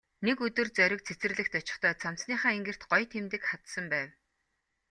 Нэг өдөр Зориг цэцэрлэгт очихдоо цамцныхаа энгэрт гоё тэмдэг хадсан байв.